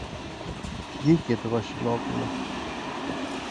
Βγήκε το Βασιλόπουλο.